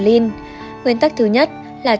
nguyên tắc thứ nhất là chọn những thực phẩm đồng hộp